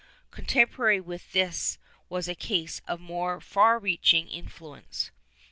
^ Contemporary with this was a case of more far reaching influ ence.